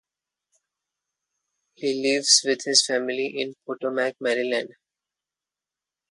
He lives with his family in Potomac, Maryland.